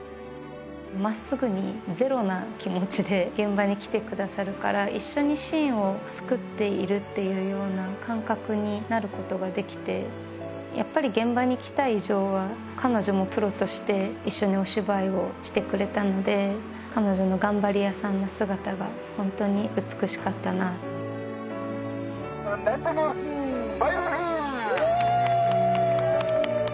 まっすぐにゼロな気持ちで現場に来てくださるから一緒にシーンを作っているっていうような感覚になることができてやっぱり現場に来た以上は彼女もプロとして一緒にお芝居をしてくれたので彼女の頑張り屋さんな姿がホントに美しかったな・ファイナルシーン・フー！